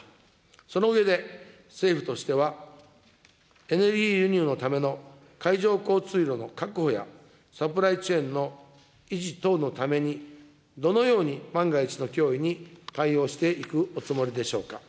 その上で、政府としてはエネルギー輸入のための海上交通路の確保や、サプライチェーンの維持等のためにどのように万が一の脅威に対応していくおつもりでしょうか。